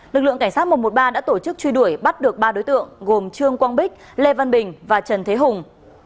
lực lượng cảnh sát một trăm một mươi ba đã tổ chức truy đuổi bắt được ba đối tượng gồm trương quang bích lê văn bình và trần thế hùng